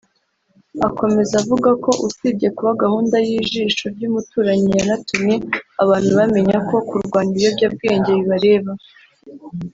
Akomeza avuga ko usibye kuba gahunda y’Ijisho ry’umuturanyi yanatumye abantu bamenya ko kurwanya ibiyobyawenge bibareba